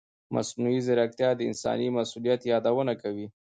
مصنوعي ځیرکتیا د انساني مسؤلیت یادونه کوي.